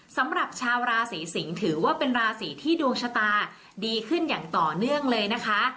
สำหรับชาวราศีสิงศ์ถือว่าเป็นราศีที่ดวงชะตาดีขึ้นอย่างต่อเนื่องเลยนะคะ